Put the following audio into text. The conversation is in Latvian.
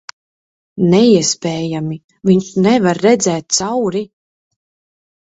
Neiespējami. Viņš nevar redzēt cauri...